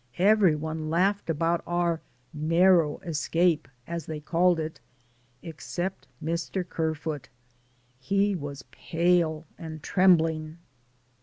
Every one laughed about our "narrow escape," as they called it, except Mr. Kerfoot; he was pale and trembling.